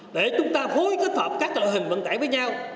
để chúng ta phối kết hợp các loại hình vận tải với nhau